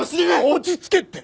落ち着けって！